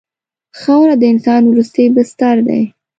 خاوره د انسان وروستی بستر دی.